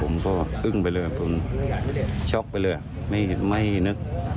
ผมก็อึ้งไปเลยผมช็อกไปเลยไม่นึก